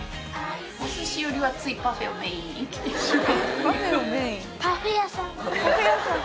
お寿司よりはついパフェをメインに来てしまう。